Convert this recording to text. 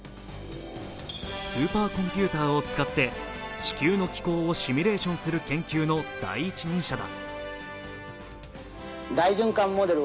スーパーコンピューターを使って地球の気候をシミュレーションする研究の第一人者だ。